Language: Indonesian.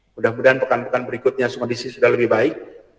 mudah mudahan pekan pekan berikutnya kondisi sudah lebih baik